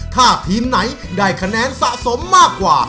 ถ้าทีมไหนได้คะแนนสะสมมากกว่า